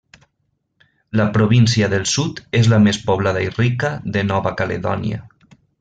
La Província del Sud és la més poblada i rica de Nova Caledònia.